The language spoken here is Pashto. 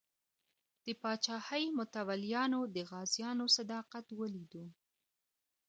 د پاچاهۍ متولیانو د غازیانو صداقت ولیدو.